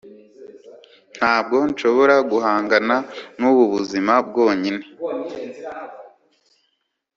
Ntabwo nshobora guhangana nubu buzima bwonyine